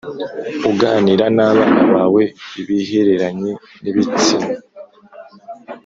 uganira n abana bawe ibihereranye n ibitsina